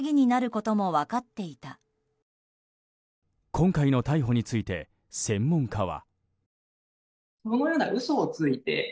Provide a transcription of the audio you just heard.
今回の逮捕について専門家は。